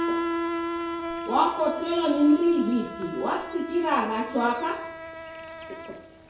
Wakotelwa ni mrighiti wasikiragha chwaka?